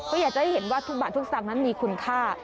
ก็อยากจะให้เห็นว่าทุกบาททุกสตางค์นั้นมีคุณค่า